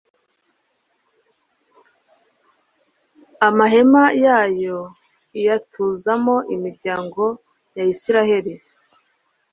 amahema yayo iyatuzamo imiryango ya israheli